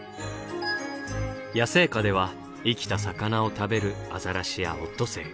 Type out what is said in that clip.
野生下では生きた魚を食べるアザラシやオットセイ。